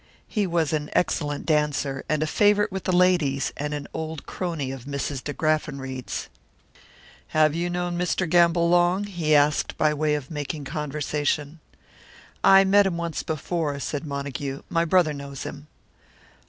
He was an excellent dancer, and a favourite with the ladies, and an old crony of Mrs. De Graffenried's. "Have you known Mr. Gamble long?" he asked, by way of making conversation. "I met him once before," said Montague. "My brother knows him."